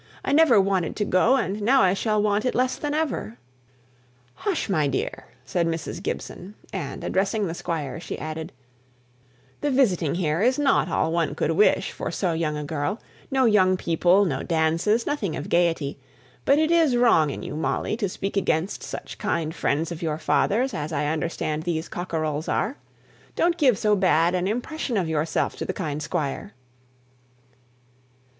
"I never wanted to go, and now I shall want it less than ever." "Hush, my dear," said Mrs. Gibson; and, addressing the Squire, she added, "The visiting here is not all one could wish for so young a girl no young people, no dances, nothing of gaiety; but it is wrong in you, Molly, to speak against such kind friends of your father's as I understand these Cockerells are. Don't give so bad an impression of yourself to the kind Squire."